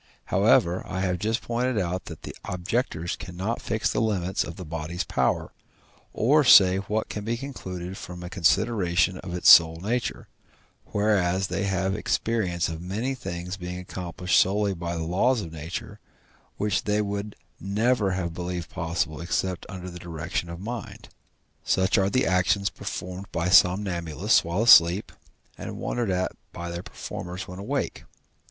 However, I have just pointed out that the objectors cannot fix the limits of the body's power, or say what can be concluded from a consideration of its sole nature, whereas they have experience of many things being accomplished solely by the laws of nature, which they would never have believed possible except under the direction of mind: such are the actions performed by somnambulists while asleep, and wondered at by their performers when awake.